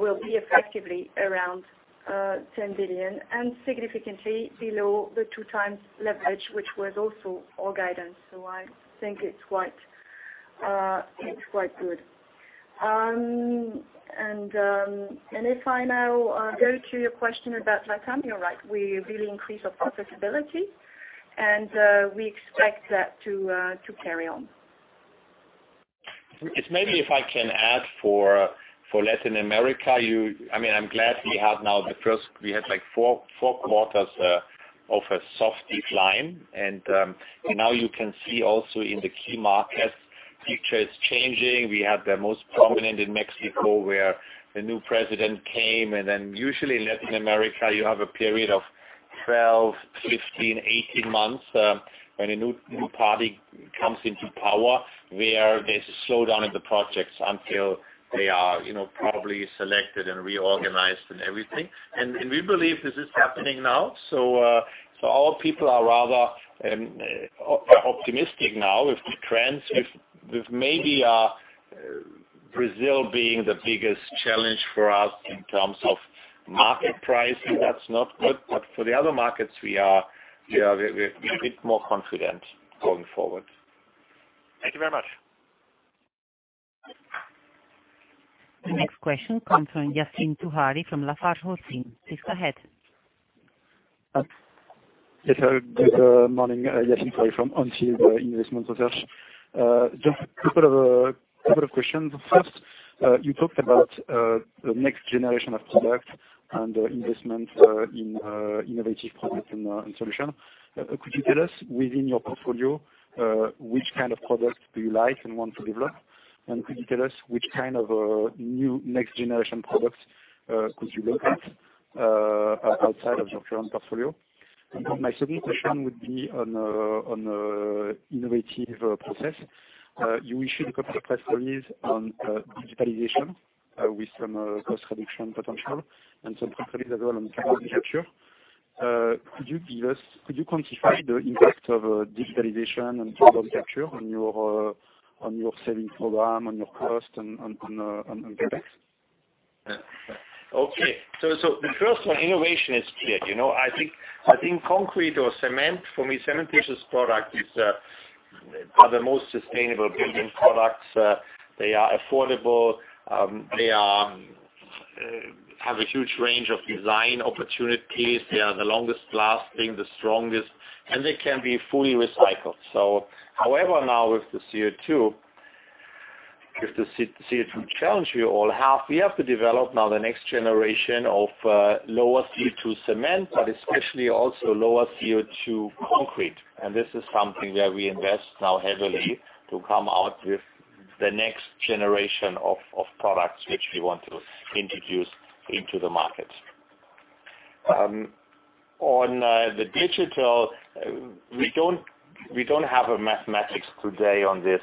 will be effectively around 10 billion and significantly below the 2 times leverage, which was also our guidance. I think it's quite good. If I now go to your question about LatAm, you're right, we really increased our profitability and we expect that to carry on. Maybe if I can add for Latin America. I'm glad we have now We had four quarters of a soft decline. Now you can see also in the key markets, future is changing. We have the most prominent in Mexico, where the new president came. Usually in Latin America, you have a period of 12, 15, 18 months, when a new party comes into power, where there's a slowdown in the projects until they are properly selected and reorganized and everything. We believe this is happening now. Our people are rather optimistic now with the trends, with maybe Brazil being the biggest challenge for us in terms of market price. That's not good. For the other markets, we are a bit more confident going forward. Thank you very much. The next question comes from Yassine Touahri from LafargeHolcim. Please go ahead. Yes. Good morning. Yassine Touahri from ODDO BHF Investment Research. A couple of questions. First, you talked about the next generation of product and investment in innovative products and solutions. Could you tell us within your portfolio, which kind of products do you like and want to develop? Could you tell us which kind of new next generation products could you look at outside of your current portfolio? My second question would be on innovative process. You issued a couple of press release on digitalization with some cost reduction potential and some press release as well on digital capture. Could you quantify the impact of digitalization and digital capture on your selling program, on your cost and CapEx? Okay. The first one, innovation is clear. I think concrete or cement, for me, cementitious product are the most sustainable building products. They are affordable. They have a huge range of design opportunities. They are the longest-lasting, the strongest, and they can be fully recycled. However, now with the CO2 challenge we all have, we have to develop now the next generation of lower CO2 cement, but especially also lower CO2 concrete. This is something where we invest now heavily to come out with the next generation of products which we want to introduce into the market. On the digital, we don't have a mathematics today on this.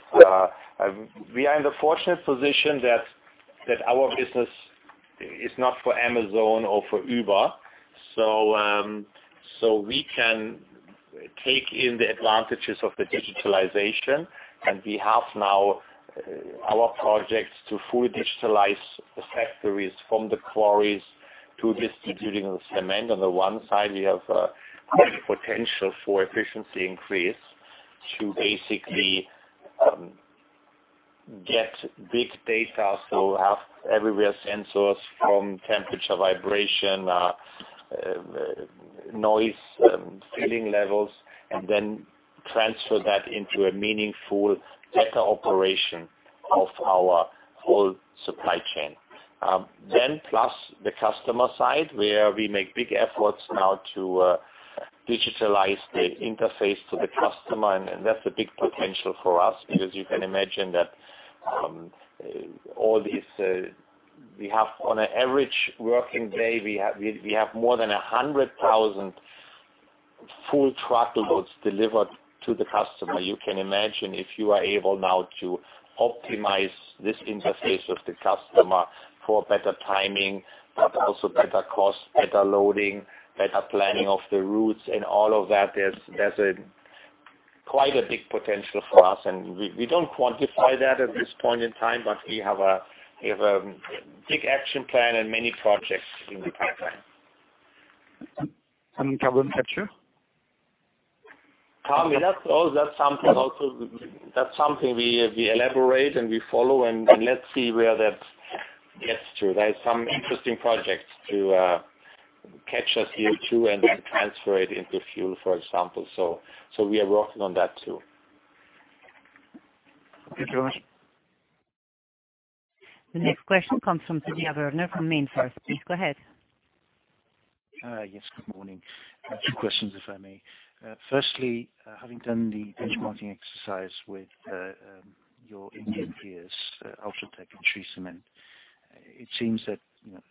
We are in the fortunate position that our business is not for Amazon or for Uber. We can take in the advantages of the digitalization, and we have now our projects to fully digitalize the factories from the quarries to distributing the cement. On the one side, we have quite a potential for efficiency increase to basically get big data, so have everywhere sensors from temperature, vibration, noise, filling levels, and then transfer that into a meaningful data operation of our whole supply chain. Plus the customer side, where we make big efforts now to digitalize the interface to the customer, and that's a big potential for us because you can imagine that on an average working day, we have more than 100,000 full truckloads delivered to the customer. You can imagine if you are able now to optimize this interface with the customer for better timing, but also better cost, better loading, better planning of the routes and all of that, there's quite a big potential for us. We don't quantify that at this point in time, but we have a big action plan and many projects in the pipeline. Carbon capture? Karl, that's something we elaborate and we follow, let's see where that gets to. There's some interesting projects to catch our CO2 and transfer it into fuel, for example. We are working on that, too. Thank you very much. The next question comes from Didier Werner from MainFirst. Please go ahead. Yes, good morning. Two questions, if I may. Firstly, having done the benchmarking exercise with your Indian peers, UltraTech and Shree Cement, it seems that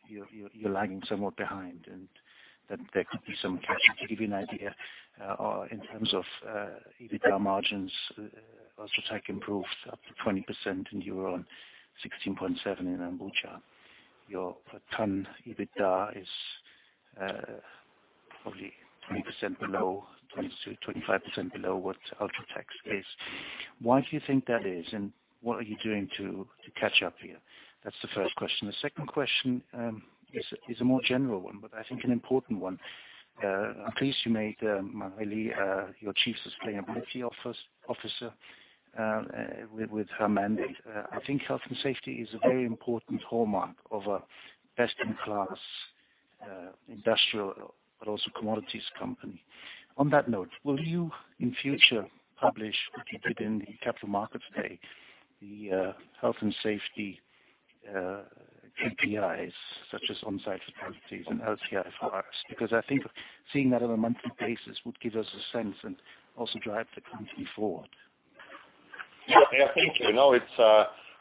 you're lagging somewhat behind, and that there could be some cash to give you an idea in terms of EBITDA margins. UltraTech improved up to 20% in EUR, 16.7% in Ambuja. Your ton EBITDA is probably 20% below, 20%-25% below what UltraTech's is. Why do you think that is, and what are you doing to catch up here? That's the first question. The second question is a more general one, but I think an important one. I'm pleased you made Magali, your Chief Sustainability Officer, with her mandate. I think health and safety is a very important hallmark of a best-in-class industrial, but also commodities company. On that note, will you, in future, publish what you did in the Capital Markets Day, the health and safety KPIs such as on-site fatalities and LTIFRs? Because I think seeing that on a monthly basis would give us a sense and also drive the company forward. Thank you.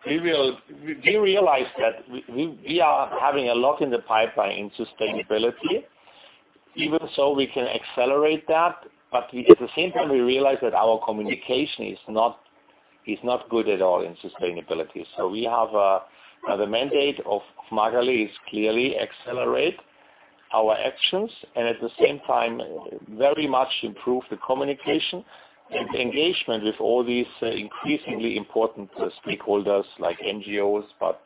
We realize that we are having a lot in the pipeline in sustainability. We can accelerate that, but at the same time, we realize that our communication is not good at all in sustainability. The mandate of Magali is clearly accelerate our actions and at the same time, very much improve the communication and engagement with all these increasingly important stakeholders like NGOs, but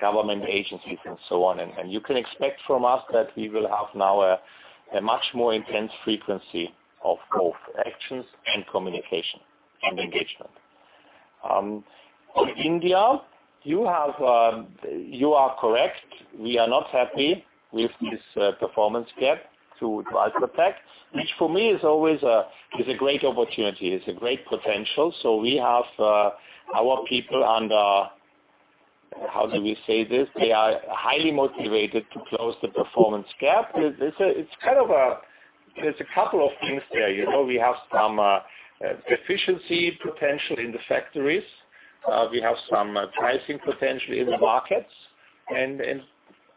government agencies and so on. You can expect from us that we will have now a much more intense frequency of both actions and communication and engagement. On India, you are correct. We are not happy with this performance gap to UltraTech, which for me is always a great opportunity, is a great potential. We have our people. They are highly motivated to close the performance gap. There's a couple of things there. We have some efficiency potential in the factories. We have some pricing potential in the markets, and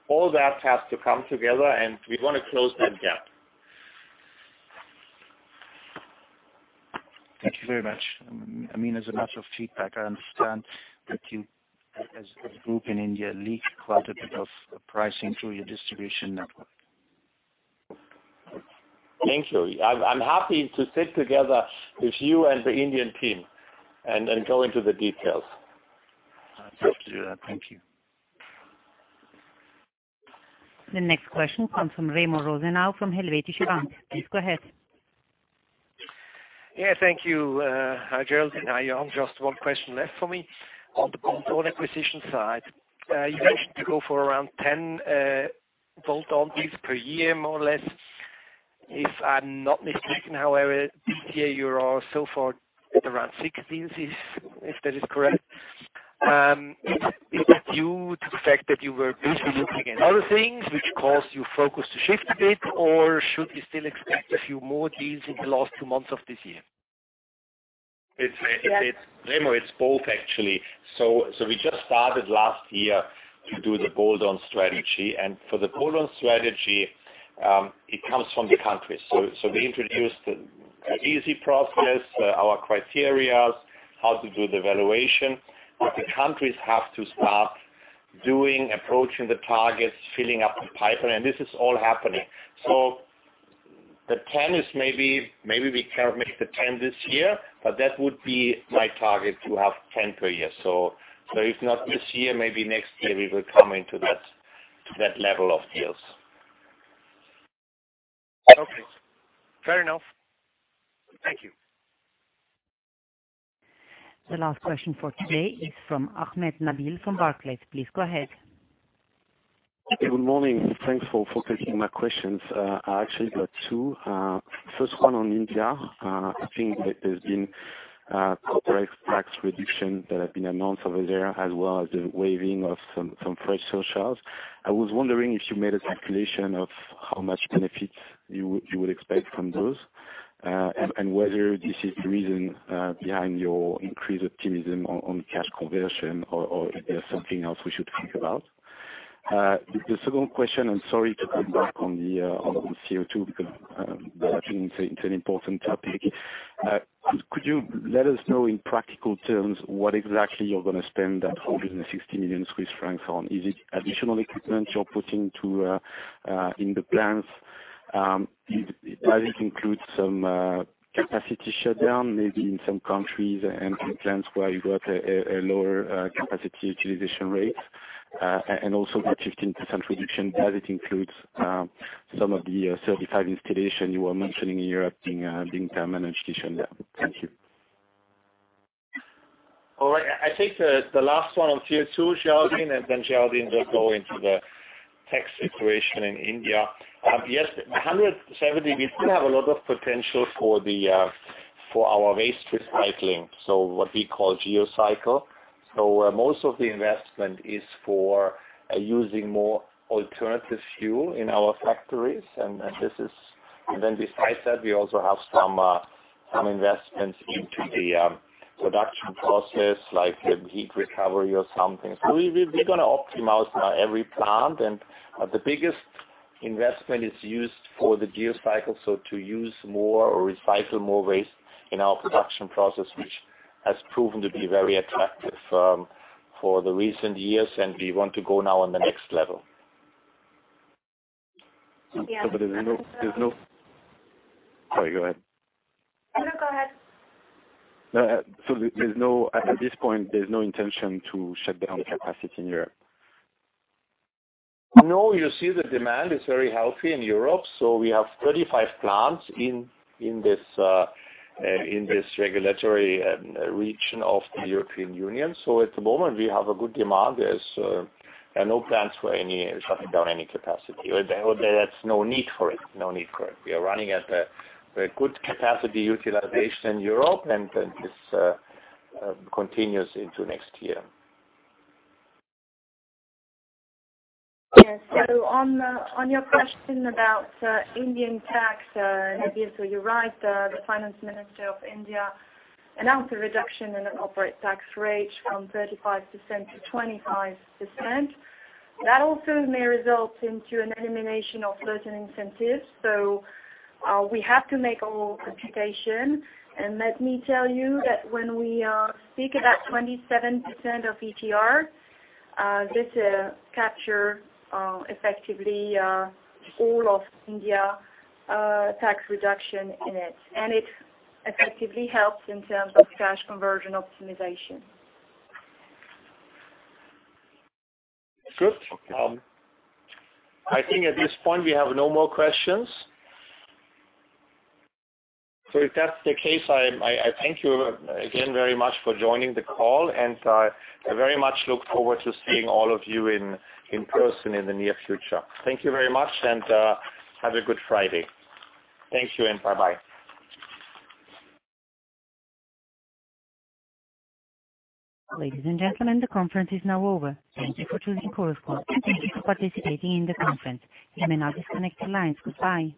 all that has to come together, and we want to close that gap. Thank you very much. I mean, as a matter of feedback, I understand that you, as a group in India, leak quite a bit of pricing through your distribution network. Thank you. I'm happy to sit together with you and the Indian team and go into the details. I'd love to do that. Thank you. The next question comes from Remo Rosenau from Helvetische Bank. Please go ahead. Yeah. Thank you. Hi, Géraldine. Hi, Jan. Just one question left for me. On the bolt-on acquisition side, you mentioned to go for around 10 bolt-on deals per year, more or less, if I'm not mistaken. However, this year, you are so far at around six deals, if that is correct. Is that due to the fact that you were busy looking at other things which caused your focus to shift a bit, or should we still expect a few more deals in the last two months of this year? Remo, it's both, actually. We just started last year to do the bolt-on strategy. For the bolt-on strategy, it comes from the country. We introduced an easy process, our criteria, how to do the valuation. The countries have to start doing, approaching the targets, filling up the pipeline, and this is all happening. The plan is maybe we can't make the 10 this year, but that would be my target to have 10 per year. If not this year, maybe next year we will come into that level of deals. Okay. Fair enough. Thank you. The last question for today is from Ahmed Nabil from Barclays. Please go ahead. Good morning. Thanks for focusing my questions. I actually got 2. First one on India. I think that there's been corporate tax reductions that have been announced over there, as well as the waiving of some fresh surcharges. I was wondering if you made a calculation of how much benefits you would expect from those, and whether this is the reason behind your increased optimism on cash conversion, or if there's something else we should think about. The second question, I'm sorry to come back on the CO2, because that is an important topic. Could you let us know in practical terms what exactly you're going to spend that 160 million Swiss francs on? Is it additional equipment you're putting in the plants? Does it include some capacity shutdown, maybe in some countries and in plants where you got a lower capacity utilization rate? Also that 15% reduction, does it include some of the 35 installation you were mentioning in Europe being permanent? Thank you. All right. I take the last one on CO2, Géraldine, and then Géraldine will go into the tax situation in India. Yes, 160, we do have a lot of potential for our waste recycling, so what we call Geocycle. Most of the investment is for using more alternative fuel in our factories. Despite that, we also have some investments into the production process, like the heat recovery or something. We're going to optimize every plant. The biggest investment is used for the Geocycle, so to use more or recycle more waste in our production process, which has proven to be very attractive for the recent years, and we want to go now on the next level. Sorry, go ahead. No, go ahead. At this point, there's no intention to shut down capacity in Europe? No, you see the demand is very healthy in Europe, so we have 35 plants in this regulatory region of the European Union. At the moment, we have a good demand. There's no plans for any shutting down any capacity. There's no need for it. We are running at a very good capacity utilization in Europe, and this continues into next year. Yes. On your question about Indian tax, you're right. The finance minister of India announced a reduction in the corporate tax rate from 35% to 20%. That also may result into an elimination of certain incentives. We have to make a little computation. Let me tell you that when we speak about 27% of ETR, this captures effectively all of India tax reduction in it, and it effectively helps in terms of cash conversion optimization. Good. I think at this point, we have no more questions. If that's the case, I thank you again very much for joining the call, and I very much look forward to seeing all of you in person in the near future. Thank you very much, and have a good Friday. Thank you, and bye-bye. Ladies and gentlemen, the conference is now over. Thank you for choosing Chorus Call, and thank you for participating in the conference. You may now disconnect your lines. Goodbye.